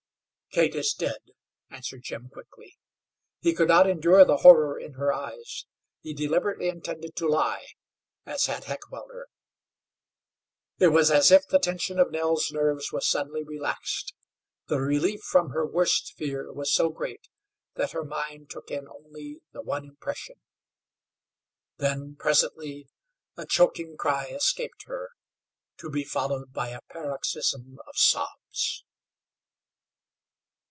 "Kate is dead," answered Jim, quickly. He could not endure the horror in her eyes. He deliberately intended to lie, as had Heckewelder. It was as if the tension of Nell's nerves was suddenly relaxed. The relief from her worst fear was so great that her mind took in only the one impression. Then, presently, a choking cry escaped her, to be followed by a paroxysm of sobs.